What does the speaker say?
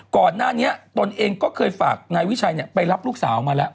ก่อนหน้านี้ตนเองก็เคยฝากนายวิชัยไปรับลูกสาวมาแล้ว